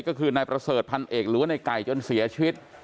ก็คือนายประเสริฐพันเอกหรือว่าในไก่จนเสียชีวิต